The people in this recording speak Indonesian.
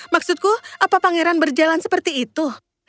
maksudku apa pangeran berjalan seperti itu